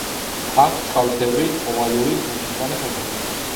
აქვს ტყავისებრი, ოვალური, მუქი მწვანე ფოთოლი.